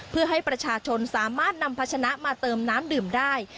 เพื่อให้ประชาชนสามารถนำพัชนะมาเติมน้ำดื่มได้